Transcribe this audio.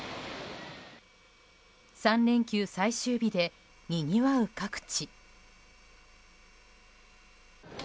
３連休最終日でにぎわう各地。